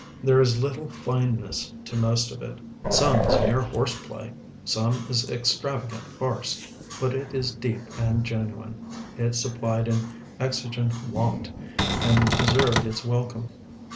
There is little fineness to most of it; some is mere horseplay, some is extravagant farce: but it is deep and genuine, it supplied an exigent want, and deserved its welcome.